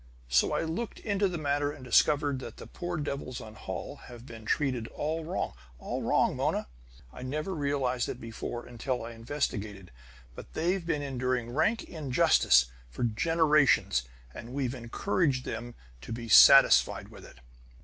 So I looked into the matter and discovered that the poor devils on Holl have been treated all wrong. All wrong, Mona! I never realized it before, until I investigated; but they've been enduring rank injustice for generations, and we've encouraged them to be satisfied with it."